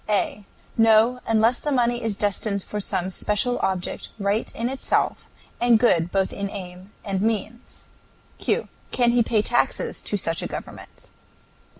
A. No, unless the money is destined for some special object, right in itself, and good both in aim and means. Q. Can he pay taxes to such a government?